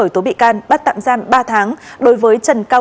tuần tra kiểm soát trên địa bàn